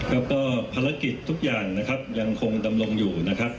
แล้วก็ภารกิจทุกอย่างนะครับยังคงดำรงอยู่นะครับ